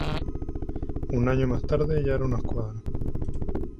Un año más tarde, ya era una escuadra.